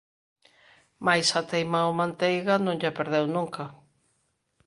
Mais a teima ó Manteiga non lla perdeu nunca.